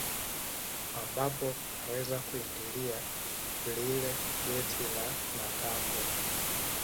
Ambapo unaweza kuingilia lile geti la matambwe